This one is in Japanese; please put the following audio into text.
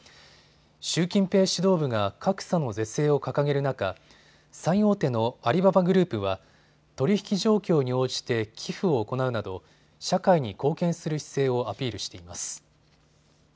習近平指導部が格差の是正を掲げる中、最大手のアリババグループは取引状況に応じて寄付を行うなど社会に貢献する姿勢をアピールしています。